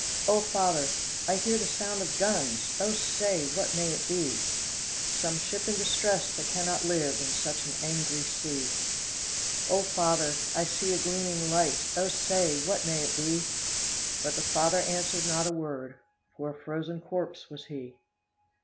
'O father, I hear the sound of guns, O say, what may it be?' 'Some ship in distress that can not live In such an angry sea.' 'O father, I see a gleaming light, O say, what may it be?' But the father answered not a word, For a frozen corpse was he.